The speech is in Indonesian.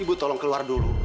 ibu tolong keluar dulu